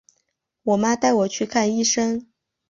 我妈带我去看医生